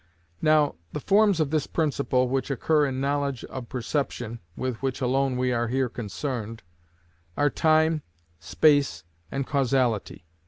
Now, the forms of this principle which occur in knowledge of perception (with which alone we are here concerned) are time, space, and causality.